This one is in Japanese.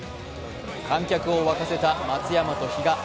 観客を沸かせた松山と比嘉。